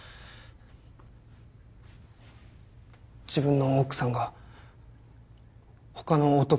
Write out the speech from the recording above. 自分の奥さんがほかの男と。